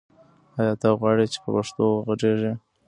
آیا ته غواړې چې په پښتو وغږېږې؟